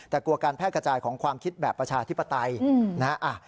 แต่กลัวการแพร่กระจายของความคิดแบบประชาธิปไตยนะฮะ